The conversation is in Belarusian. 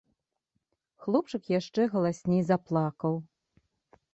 Хлопчык яшчэ галасней заплакаў.